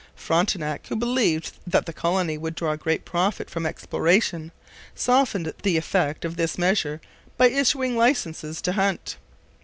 Frontenac, who believed that the colony would draw great profit from exploration, softened the effect of this measure by issuing licences to hunt.